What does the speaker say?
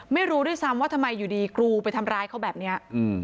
ไม่รู้ด้วยซ้ำว่าทำไมอยู่ดีกรูไปทำร้ายเขาแบบนี้